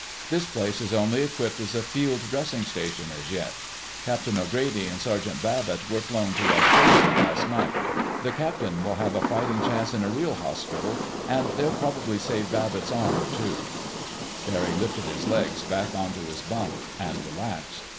"This place is only equipped as a field dressing station as yet. Captain O'Grady and Sergeant Babbitt were flown to Australia last night. The Captain will have a fighting chance in a real hospital, and they'll probably save Babbitt's arm, too." Barry lifted his legs back onto his bunk and relaxed.